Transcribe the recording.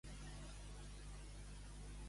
Rojor amb el sol alçat, senyal de temps mullat.